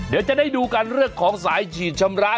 เดี๋ยวจะได้ดูกันเรื่องของสายฉีดชำระ